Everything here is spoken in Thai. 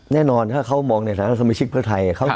แน่นอนถ้าเขามองในฐานะสมาชิกเพื่อไทย